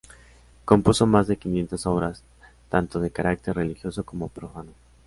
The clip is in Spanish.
Compuso más de quinientas obras, tanto de carácter religioso como profano.